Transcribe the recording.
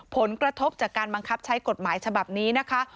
ผลกระทบจากการบังคับใช้กฎหมายฉบับนี้นะคะ